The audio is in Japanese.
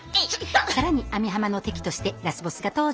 更に網浜の敵としてラスボスが登場。